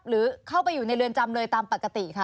หรือเข้าไปอยู่ในเรือนจำเลยตามปกติคะ